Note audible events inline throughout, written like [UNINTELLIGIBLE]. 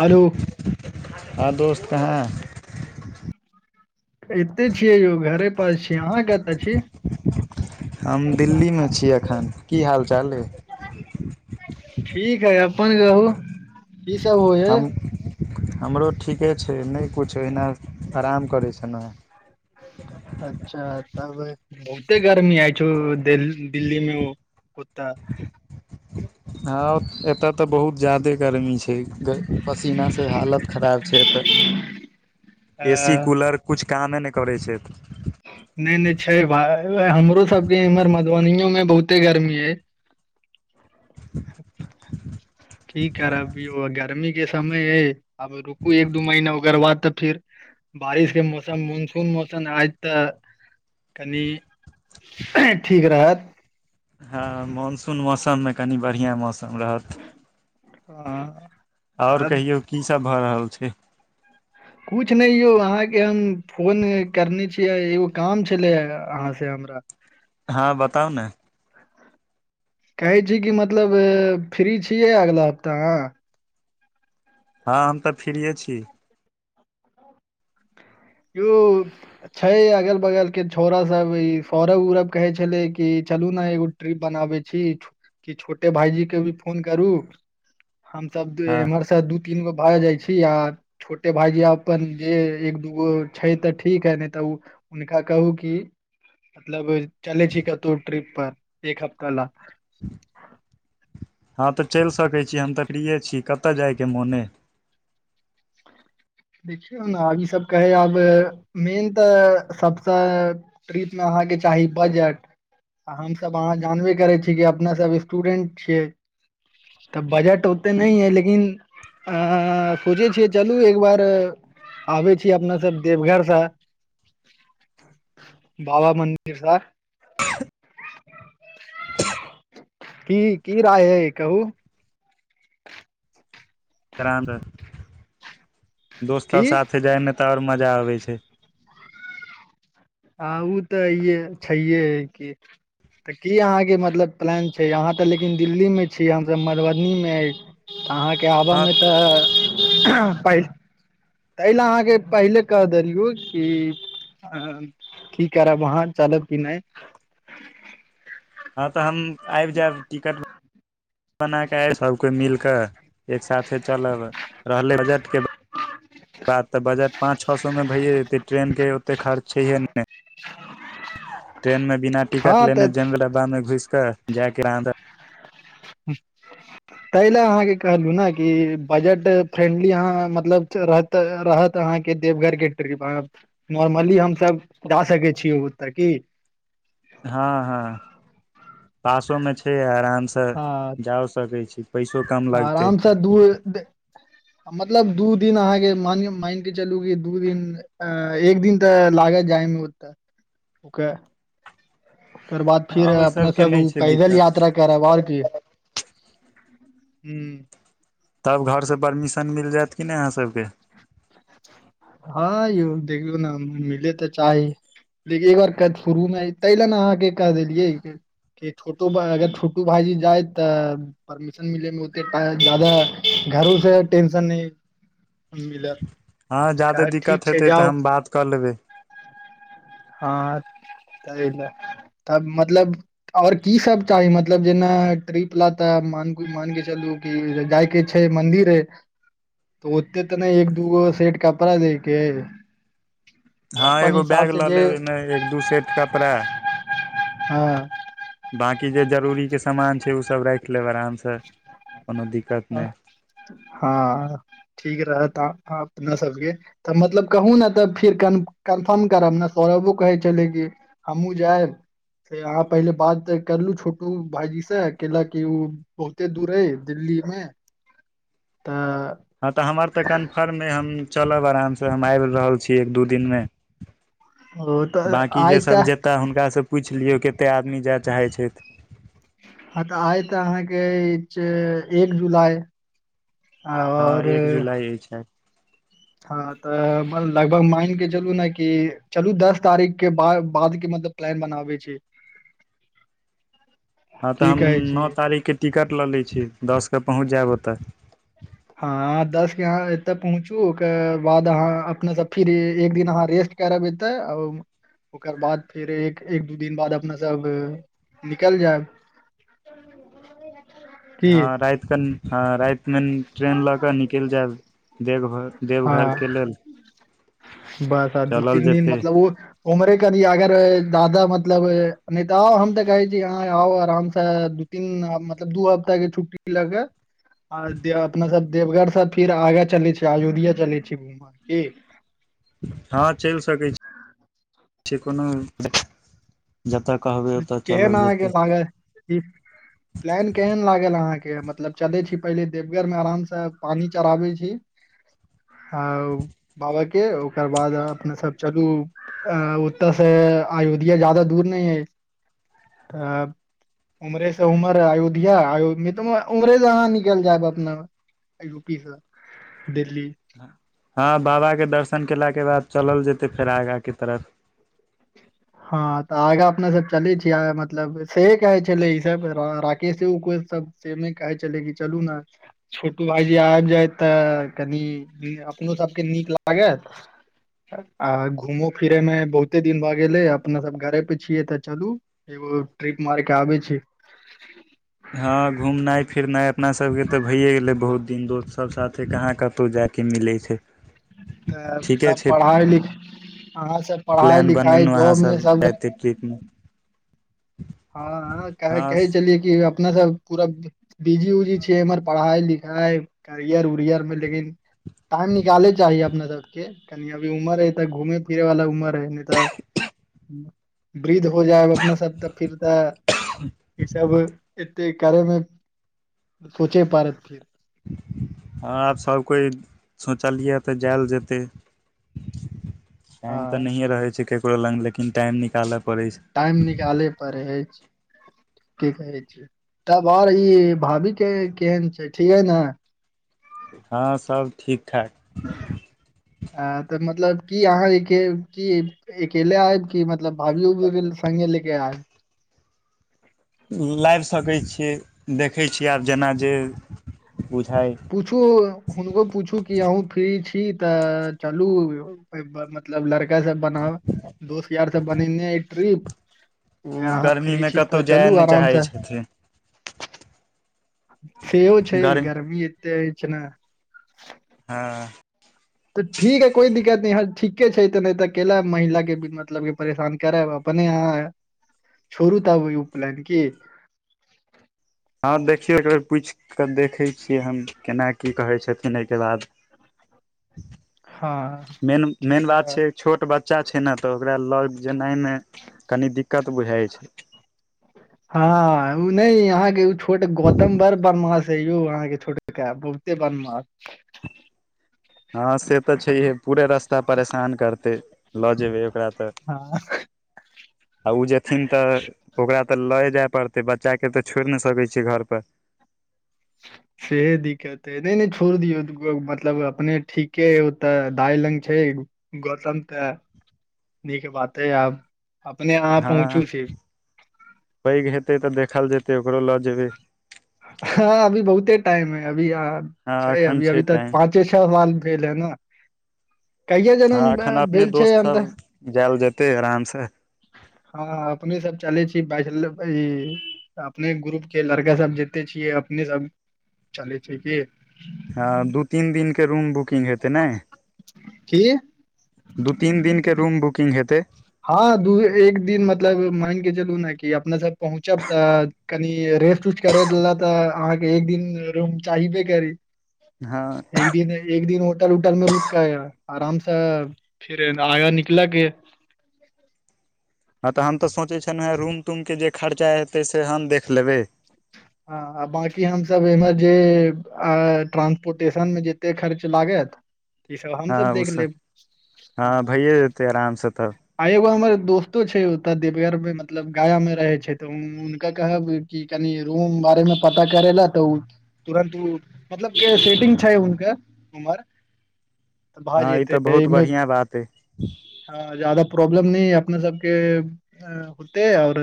hello आ दोस्त कहाँ एते छियै यौ घरे पर छीय अहाँ कतऽ छी हम दिल्लीमे छी की हाल चाल रे ठीक हैय अपन कहू की सब होय हैं हम हमरो ठीके छै नहि किछु ओहिना आराम करै छलौहे अच्छा तब बहुते गर्मी आय छौ दिल्ली मे आय कुत्ता हँ एतय तऽ बहुत ज्यादे गर्मी छै पसीनासँ हालत खराब छै एतय अ एसी कूलर कुछ कामे नहि करै छै अतऽ नहि नहि छै भा हमरो सबके इम्हर मधुबनो मे बहुते गर्मी हैय ठीक करब यौ गर्मी के समय यैं अब रुकू एक दू महिना ओकर बाद तऽ फिर बारिश के मौसम मनसून मौसम आज तऽ कनि ठीक रहत हँ मानसून मौसममे कनि बढ़िआँ मौसम रहत ह [INAUDIBLE] आओर कहियौ की सब भऽ रहल छै कुछ नहि यौ अहाँके हम फोन करने छियै एगो काम छलै अहाँ से [INAUDIBLE] हँ बताउ न कहै छी की मतलब फ्री छीयै अगला हप्ता आहां हँ हम तऽ फ्रीए छी यो छैय अगल बगल के छौड़ सब ई सौरभ उरब कहे छलै कि चलू ने एगो डिरिप बनाबै छी कि छोटे भाईजी के भी फोन करू हम सब हँ एम्हर से दू तीन गो भय जाय छी आ छोटे भाईजी अपन जे एक ओ छै तऽ ठीक है नहि तऽ ओ हुनका कहू कि मतलब चलै छी कतौ ट्रिप पर एक हफ्ता ला हँ तऽ चलि सकै छी हम तऽ फ्रिए छी कतय जायके मन अय देखियौ न इस सब कहै अब मेन तऽ सबस ट्रिप आहा अहाँके चाही बजट हमसभ अहाँ जानबे करै छीय कि अपना सब स्टूडेंट छियै तऽ बजट ओते नैय अयै लेकिन अ सोचै छियै चलू एक बार आबय छी अपना सब देवघरसँ बाबा मन्दिर सअ [INAUDIBLE] की की राय अय कहू दोस्त की सब साथे जाय मे त आओर मजा आबै छैय हँ ओ तऽ अे छैहे की तऽ की अहाँके मतलब प्लान छै अहाँ तऽ लेकिन दिल्ली मे छी हमसभ मधुबनी मे अहाँके आबऽ हँ मे तऽ पैल तैलए अहाँके पहिले कह देलयू कि की करव वहाँ चलव कि नैय हँ तऽ हम आबि जायब टिकट बना कऽ सभ कोइ मिल कऽ एक साथे चलब रहलै बजटके बात तऽ बजट पाँच छह सएमे भैयए जेतै ट्रेनके ओतेक खर्च छैहे नैय ट्रेन मे बिना टिकट हँ लेने तऽ जेन डब्बामे घुसि कऽ जायके आदत [INAUDIBLE] ताहि लए अहाँके कहलू ने कि बजट फ्रेंडली अहाँ मतलबत रहत तऽ रहत आहां अह के देवघर ट्रिप नॉर्मली हमस जा सकै छीयै ओतय की [UNINTELLIGIBLE] हँ हँ पासो में छै आराम से हँ जाओ सकै छी पैसो कम लागतय आरामसँ दू मतलब दू दिन अहाँ के मान मान के चलू क दू दिन अ एक दिन तऽ लागत जा जा में ओत ओकर बाद हँ फिर ओहि अपने सबके सब ओ नहि छै पैदल दिक्कत यात्रा करब आओर कि हू तब घरसँ परमिशन मिल जायत कि नहि अहाँ सभके हँ यौ देखलो ने मिले तऽ चाही लेकिन एक बार क शुरूमे ह ताहि ल ने अहाँके के देलियै छोटो अगर छोटो भाईजी जाय तऽ परमिशन मिले मे ओतेटा जादाा घर उ से टेनशन नहि मिलत हँ जादे कह ठीक दिक्कत छै हेते तऽ जाउ हम बात कऽ लेबै है आ तही ल तब मतलब और की सब चाही मतलब जेना ट्रिप ला त मानक मान के चलू की जाइके छै मंन्दिर तऽ ओते तऽ नहि एक दूगो सेट कपड़ा लेके हँ एगो बैग लऽ लेब ओहिमे एक दू सेट कपड़ा हँ बकी जे जरुररी के सामान छै ओ सब राख लेब आराम से कोनो दिक्कत नहि हँ ठीक रह त ह अपना सबके तऽ मतलब कहु ने तऽ फिर कन्फर्म करब ने सौरभो कहे छले की हमहु जाएब से अहाँ पहिले बात करलु छोटू भाायजी से क लाक ओ बहुते दूर हय दिल्ली हमे हँ तऽ हमर तऽ कन्फर्ममे हम चलब आराम से हम आबि रहल छी एक दू दिन मे ओ तऽ बाँकी आइ जेसभ तऽ जेयतह हुनकासँ पूछि लियौ कतेक आदमी जाय चाहै छथि हँ तऽ आइ तऽ अहाँके एक जुलाई हँ आओर एक जुलाई अछि हँ तऽ लगभग मान के चलू ने कि चलु दस तारीख केाद बाद के म त प्लन बनाबै छै [UNINTELLIGIBLE] हँ तऽ की हम कहै नओ छियै तारीखके टिकट लऽ लै छी दसके पहुँच जायब ओतय हँ दस के यहाँ एतऽ पहुँचू ओकर बाद अहाँ अपनेसँ फिर एक दिन अहाँ रेस्ट करब एतत ओकर बाद फेर एक एक दू दिन बाद अपना सब निकलि जायब की हँ राइत क नइ हाँ रइत में ट्रेन लऽ कऽ निकलि जायब देवर देवघर हँ के लेल बस आ दू चलल तीन दिन जेतै मतलब ओ उमरे क न अगर दादा मतलब मतलब नहि तऽ आउ हम तऽ कहे छी यहाँ आउ आराम से दू तीन मतलब दू हप्ता के छुट्टी लके आ दे अपना सब देवघढ़रसँ फिर आगा चलै छी अयोध्या चलै छी घूम की हँ चलि सकै छी कोनो जतय कहबै ओतय केहन चलल अहाँ जेतै के लागल प्लान केहन लागल अहाके के मतलब चले छी पहिले देवघर मे आराम से पानी चढ़ाबे छी अ बाबा के ओकर बाद अपने सब चलू अ ओतऽ से अयोध्या ज्यादा दूर नहि है ए उमरे से उमर अयोध्यायो त उमरे से अहाँ निकल जायब अपना अल्लु पीसअ हँ बाबा क दर्शन केलाके बाद चलल जेतै फेर आगाँ के तरफ हँ तऽ आगा अपना सब चलै छिय मतलब से कहै छले ई सब राकेश उक सब से नैय कहैय छलै कि चालु न छोटू भाइजी आबि जाय तऽ कनि अपनो सभके निक लागत आ घूमो फिरे में बहुते दिन बाद अपना सब घरे पे छिय तऽ चलू एगो ट्रिप मार के आबे छी हँ घुमनाइ फिरनाइ अपना सबके तऽ भइए गेलै बहुत दिन दोस्त सब साथे कहाँ कतौ जाइके मिलै छै तऽ ठीके सब छै पढ़ाइ लिख अहाँ सब पढ़ाई प्लान लिखाइ बनेलहुँ अहाँ जॉब मे सब जायते ट्रिप मे हँ कहे हँ हँ चछलियैए कि अपना सब पूरा बीजी उजी छिय हमर पढ़ाई लिखाई करियर उरियर मे लेकिन टाइम निकालै चाही अपना सभके कनि अभी उमर हौ तऽ घूमै फिरैवालला उमर हौ नहि तऽ वृद्ध हो जाय अपना सब तऽ फिर तऽ ई सब कार्यमे सोचे पारत फेर हँ आब सभकोइ सोचलियै तऽ जायल जेतै ह टाइम तऽ नहिए रहैत छै केकरो लग लेकिन टाइम निकालब टाइम निकालै परय अछि [INAUDIBLE] की कहै छै तब भाई ई भाभी के केहन छै ठीके ने हँ सब ठीक ठाक ह तऽ मतलब की अहाँ क अकेले आयब कि मतलब भाभीओ क उभीर संगे लेके आब लैब सकैय छियै देखै छियै आब जेना जे बुझाइ पुछू हुनको पुछू कि अहूँ फ्री छि कि तऽ चलू मतलब लड़की कैसे बनाउ दोस्त यार सब बनेने अय ट्रिप उ अगर अहाँ फ्री गर्मीमे छी कतो तऽ जाय चलू नहि आराम चाहै से छथिन सेहो छै गर्मी एते अछि छै ने हँ तऽ ठीक है कोइ दिक्कत न ह ठीके छै तऽ नय तऽ केलय महिला के बि मतलब परेशान करब अपने छोड़ू तऽब उपलैन की [INAUDIBLE] हँ देखियौ एक बेर पूछि कऽ देखै छियै हम केना की कहै छथिन ऐके बाद हँ मेन ठीक मेन बात रहत छै छोट बच्चा बच्चा छै ने तऽ ओकरा लअ जेनाइ मे कनि दिक्कत बुझाइ छै हँ इ नैइ इ अहाँके छोट गौतम बर बदमाश ऐय यौ अहाँके छोट [INAUDIBLE] [INAUDIBLE] हँ से तऽ छैहे पूरे रास्ता परेशान करतै लऽ जेबै ओकरा तऽ हँ [INAUDIBLE] आ ओ जेथिन तऽ ओकरा तऽ लए जाय पड़तै बच्चाकेँ तऽ छोड़ि नहि सकय छै घरपर [INAUDIBLE] सेहे दिक्कत हे नहि नहि छोड़ दियौ दगो मतलब अपने ठीके ह ओते दाइ लंग छै गौतम त ह न के बाते आब अपने अहाँ हँ पहुँचू छी देखायल जेतै ओकरो लऽ जेबै हँ अभी बहुते टाइम है अभी हँ छै अभी एखन अभी तऽ टाइम पाँचे छ साल ब ने कैय ज ने हँ बल छै आम तऽ त आरामसँ हँ अपने सब चले छी ब अपने ग्रुप के लड़का सब जतय छीयै अपने सब चलै छै कि हँ दू तीन दिनके रूम बुकिंग हेतै ने की दू तीन दिन के रूम बुकिंग हेतै हँ दू एक दिन मतलब मान के चलू ने कि अपने सब पहुँचब तऽ कनि रेस्ट उस् करेेल तऽ अहाँके एक दिन रूम चाहबे करी हँ एक दिन एक दिन होटल उटल मे रुक कऽ आरामसँ फिर आगाँ निकल के हँ तऽ हम तऽ सोचै छियहु हेँ रूम तूमके जे खर्चा हेतै से हम देख लेबै हँ बकी हमसभ एहिमेर जे ट्रानंसपोर्टेशनमे जते खर्च लागत ई सब हमस हँ देख उस लेब हँ ह भइए जेतै आरामसँ तऽ आ एगो दोस्तो छै ओतऽ देवघर मे मतलब गाया मे रहे छै तऽ हुनका कहब की कनि रूम बारे मे पता करै ला तऽ ओ तुरन्त ओ मतलब के सेटिंग छै हुनकर उमर तऽ भा हँ ई जेते तऽ है बहुत एहिमे बढ़िआँ बात अइ ह ज्यादा प्रॉब्लम नहि अपना सबके होते आऔर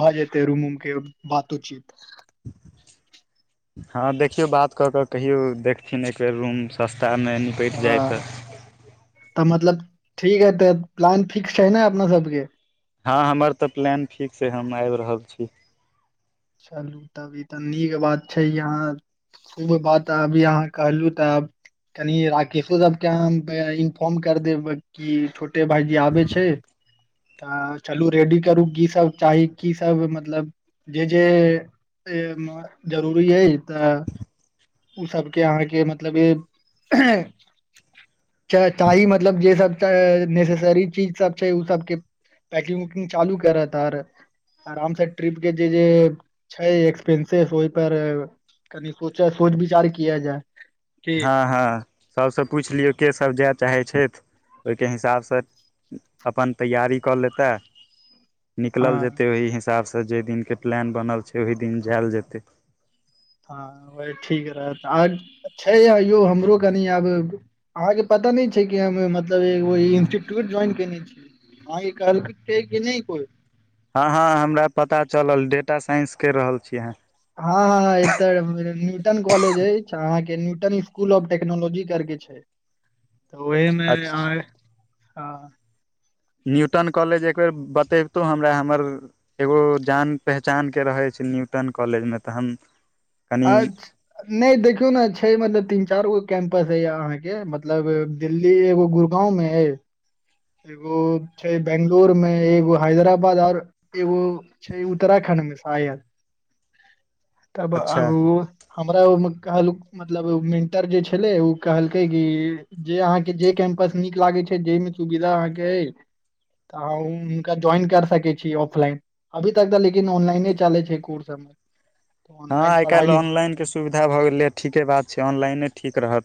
भए जेते रूम उम के बातचित हँ देखियौ बात कऽ क कहियौ देखथिन एक बेेर रूम सस्तामे निपटि ह जाय तऽ तऽ मतलब ठीक है तऽ प्लान फिक्सड है ने अपना सबके हँ हमर तऽ प्लान फिक्स ह हम आबि रहल छी चलू तब ई तऽ नीक बात छै यहाँ शुभ बात अभी अहाँ कहलहु तऽ आ कनि राकशोदबके इन्फॉर्म कर देब कि भाईजी आबे छै तऽ चलू रेडी करू की सब चाही की सब मतलब जे जे जरूरी अइ तऽ ओसभके अहाँके मतलब ई च चाही मतलब जे सब नेसेसरी चीज सब छै ओ सबके पैकिंग वकिंग चालू करे परत आराम से ट्रिप के जे जे छै एक्सपेंसिस ओहि पर कनि सोच सोच विचार किया जाय की हँ हँ सभसँ पुछि लियौ केसभ जाय चाहै छथि ओहिके हिसाबसँ अपन तैयारी कऽ लेतै निकलल हँ जेतै ओहि हिसाबसँ जाहि दिनके प्लान बनल छै ओही दिन जायल जेतै हँ वह ठीक रह छै या यो हमरो कनि आब अहाँके पता पता नहि छै कि हम मतलब एो इंस्टीट्यूट ज्वाइन केने छियै हँ ई कहलपतै कि नहि कोइ हँ हँ हमरा पता चलल डेटा साइंस कर रहल छी हँ हँ एतऽ न्यूटन कॉलेज अछि अहाँके स्कुल ऑफ टेकनोलॉजी करके छै तऽ ओहिमे हँ न्यूटन कॉलेज एक बेेर बतेबतो हमरा हमर एगो जान पहचान के रहय छै न्यूटन कॉलेजमे तऽ हम कनि अच्छा नहि देखियौ ने छै मतलब तीन चार गो कैंम्पस हय या अहाँ के मतलब दिल्ली एगो गुरगांव मे हय एगो छै बंगलोुर मे एगो हैदराबाद आऔर एगो छै उत्तराखंड शायद [INAUDIBLE] तब अच्छा अब मेंटर छैलाई ऊ कहलकई कि जे नीक लागैत छै जाहि मे सुविधा अहाँ के आई तऽ हुनका ज्वाइन कर सकै छी ऑफलाइन अभी तक तऽ लेकिन ऑनलाइने चलै छै कोर्स हमर तऽ हँ ऑनलाइन आइ पढ़ाइ काल्हि लिखाइ ऑनलाइनके सुविधा भऽ गेलै ठीके बात छै ऑनलाइने ठीक रहत